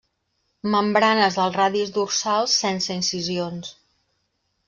Membranes dels radis dorsals sense incisions.